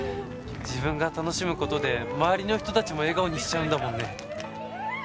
自分が楽しむ事で周りの人たちも笑顔にしちゃうんだもんね。